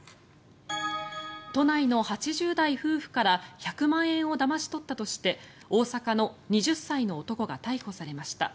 都内の８０代夫婦から１００万円をだまし取ったとして大阪の２０歳の男が逮捕されました。